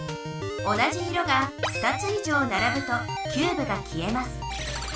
同じ色が２つ以上ならぶとキューブが消えます。